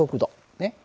ねっ。